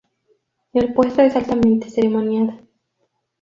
El puesto es altamente ceremonial.